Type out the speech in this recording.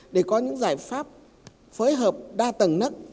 để có những giải pháp phối hợp đa tầng nức